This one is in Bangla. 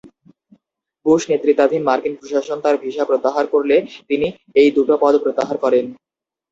বুশ নেতৃত্বাধীন মার্কিন প্রশাসন তার ভিসা প্রত্যাহার করলে তিনি এই দু'টো পদ প্রত্যাহার করেন।